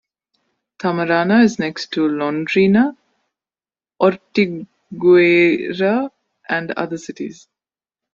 Tamarana is next to Londrina, Ortigueira and other cities.